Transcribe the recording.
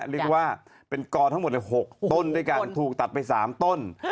เรียกว่าเป็นกอทั้งหมด๖ต้นด้วยกันถูกตัดไป๓ต้น